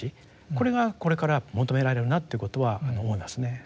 これがこれから求められるなということは思いますね。